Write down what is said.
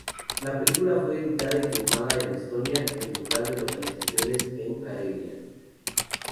La película fue editada y filmada en Estonia en lugar de localizaciones en Karelia.